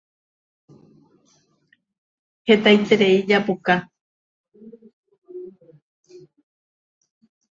Hetaiterei japuka.